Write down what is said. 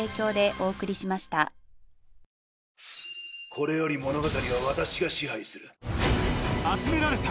これより物語は私が支配する。